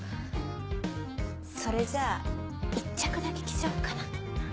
それじゃあ１着だけ着ちゃおうかな。